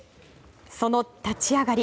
その立ち上がり。